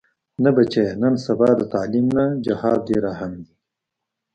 نه بچيه نن سبا د تعليم نه جهاد ډېر اهم دې.